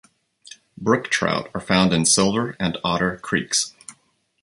Brook trout are found in Silver and Otter creeks.